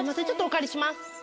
ちょっとお借りします。